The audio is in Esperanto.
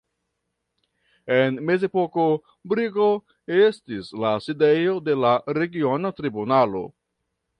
En mezepoko Brigo estis la sidejo de la regiona tribunalo.